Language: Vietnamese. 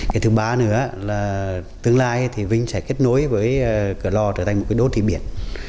cái thứ ba nữa là tương lai thì vinh sẽ kết nối với cửa lò trở thành một đô thị biển